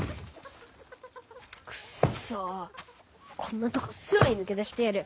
クソこんなとこすぐに抜け出してやる！